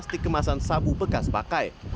di kemasan sabu bekas pakai